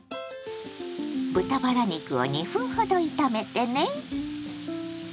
豚バラ肉を２分ほど炒めてね。